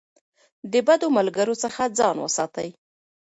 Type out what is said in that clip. د بدو ملګرو څخه ځان وساتئ.